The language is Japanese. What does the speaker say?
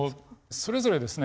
それぞれですね